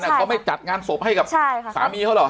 แต่เขาไม่จัดงานศพให้กับสามีเขาเหรอ